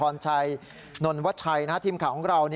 ตำรวจตรีพรจนรวชัยทีมข่าวของเรา